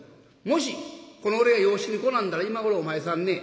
もしこの俺が養子に来なんだら今ごろお前さんね